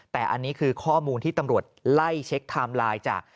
แต่อันนี้คือข้อมูลที่ตำรวจไล่เช็คไทม์ไลน์จาก